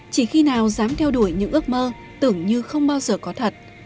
chỉ khi nào dám theo đuổi những ước mơ tưởng như không bao giờ có thật